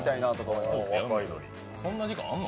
そんな時間あるの？